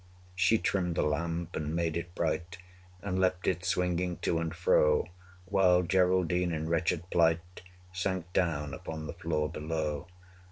185 She trimmed the lamp, and made it bright, And left it swinging to and fro, While Geraldine, in wretched plight, Sank down upon the floor below.